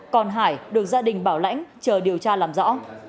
còn hải được gia đình bảo lãnh chờ điều tra làm rõ